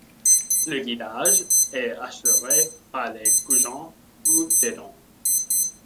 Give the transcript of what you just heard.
Le guidage est assuré par des goujons ou des dents.